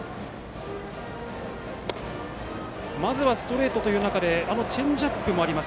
まずストレートという中でチェンジアップもあります。